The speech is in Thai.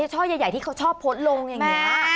ช่วยใหญ่ที่เขาชอบพดลงอย่างนี้